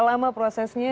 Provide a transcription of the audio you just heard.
berapa lama prosesnya